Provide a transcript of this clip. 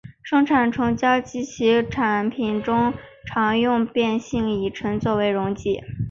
生产虫胶及其产品中常用变性乙醇作为溶剂。